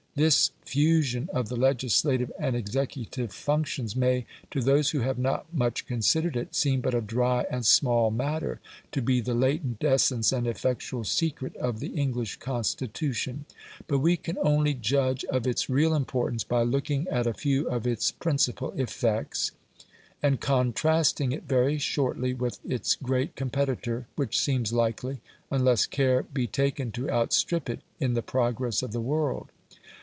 This fusion of the legislative and executive functions may, to those who have not much considered it, seem but a dry and small matter to be the latent essence and effectual secret of the English Constitution; but we can only judge of its real importance by looking at a few of its principal effects, and contrasting it very shortly with its great competitor, which seems likely, unless care be taken, to outstrip it in the progress of the world.